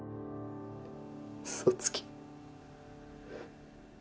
嘘つき。